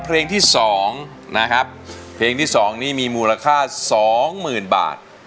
เพลงที่สองนะครับเพลงที่สองนี้มีมูลค่าสองหมื่นบาท